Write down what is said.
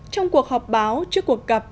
trong cuộc họp báo trước cuộc gặp